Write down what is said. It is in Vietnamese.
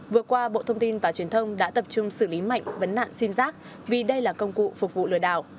vừa qua bộ thông tin và truyền thông đã tập trung xử lý mạnh vấn nạn sim giác vì đây là công cụ phục vụ lừa đảo